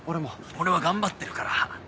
俺は頑張ってるから。